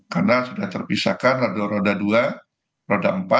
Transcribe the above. karena sudah terpisahkan roda dua roda empat